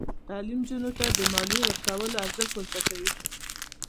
تعلیم نجونو ته د مالیې ورکولو ارزښت ور زده کوي.